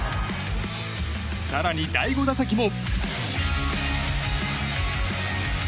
更に第５打席も。